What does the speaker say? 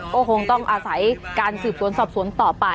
ก็คงต้องอาศัยการสืบสวนสอบสวนต่อไป